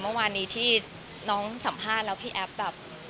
เมื่อวานนี้ที่น้องสัมภาษณ์แล้วพี่แอฟแบบ